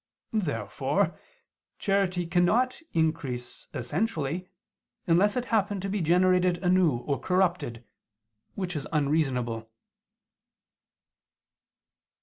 Therefore charity cannot increase essentially, unless it happen to be generated anew or corrupted, which is unreasonable.